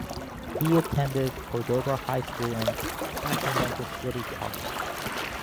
He attended Cordova High School and Sacramento City College.